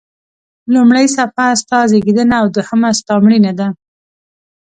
لومړۍ صفحه ستا زیږېدنه او دوهمه ستا مړینه ده.